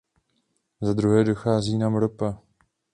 Za druhé, dochází nám ropa.